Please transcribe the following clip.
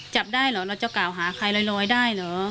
จับได้เหรอเราจะกล่าวหาใครลอยได้เหรอ